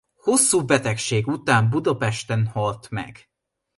Hosszú betegség után Budapesten halt meg.